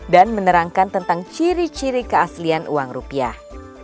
dan menerangkan tentang ciri ciri keaslian uang rupiah